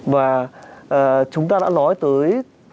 và chúng ta đã nói tới